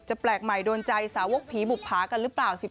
แปลกใหม่โดนใจสาวกผีบุภากันหรือเปล่า